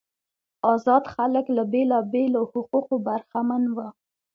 آزاد خلک له بیلابیلو حقوقو برخمن وو.